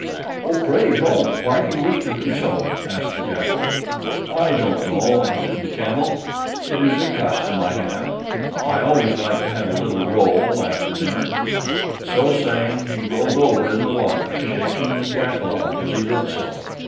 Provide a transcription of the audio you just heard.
"Oh, pray don't; why do you wish to do so?" asked the Jackal. "I don't know," answered the Camel. "It is a custom I have. I always like to have a little roll after dinner." So saying, he rolled over in the water, shaking the Jackal off as he did so.